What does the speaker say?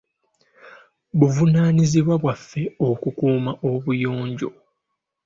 Buvunaanyizibwa bwaffe okukuuma obuyonjo.